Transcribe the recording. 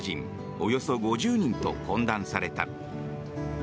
およそ５０人と懇談された。